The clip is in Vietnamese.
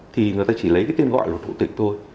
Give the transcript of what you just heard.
thì người ta chỉ lấy cái tên gọi luật vụ tịch thôi